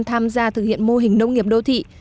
tham gia thực hiện mô hình nông nghiệp đô thị